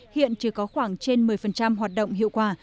hiện chỉ có khoảng trên một mươi hoạt động hiệu quả